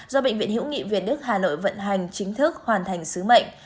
do bệnh viện hữu nghị việt đức hà nội vận hành chính thức hoàn thành sứ mệnh